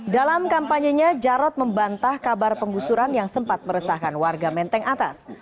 dalam kampanyenya jarod membantah kabar penggusuran yang sempat meresahkan warga menteng atas